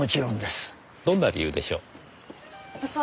どんな理由でしょう？